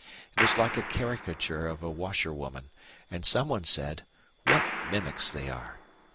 It was like a caricature of a washerwoman, and someone said, "What mimics they are!"